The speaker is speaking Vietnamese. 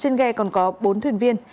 trên ghe còn có bốn thuyền viên